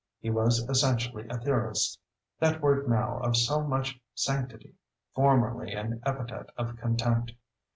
He was essentially a "theorist"—that word now of so much sanctity, formerly an epithet of contempt.